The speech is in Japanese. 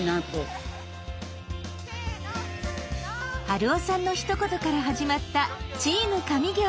春雄さんのひと言から始まった「チーム上京！」。